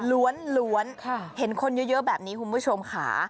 ล้วนเห็นคนเยอะแบบนี้คุณผู้ชมค่ะ